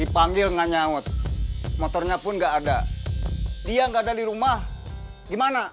panggil gak nyawut motornya pun gak ada dia gak ada di rumah gimana